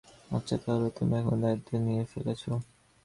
আচ্ছা, তাহলে তুমি এখন দায়িত্ব নিয়ে ফেলেছ।